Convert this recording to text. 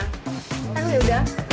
kan ini udah